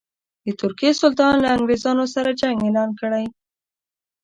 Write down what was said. د ترکیې سلطان له انګرېزانو سره جنګ اعلان کړی.